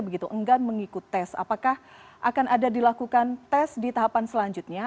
begitu enggan mengikuti tes apakah akan ada dilakukan tes di tahapan selanjutnya